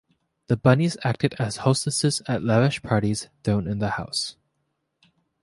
The Bunnies acted as hostesses at lavish parties thrown in the house.